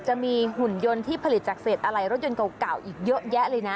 จะมีหุ่นยนต์ที่ผลิตจากเศษอะไรรถยนต์เก่าอีกเยอะแยะเลยนะ